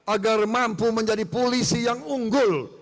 agar mampu menjadi polisi yang unggul